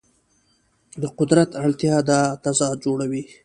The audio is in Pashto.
د قدرت اړتیا دا تضاد جوړوي.